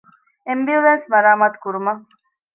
އެމްބިއުލާންސް މަރާމާތުކުރުމަށް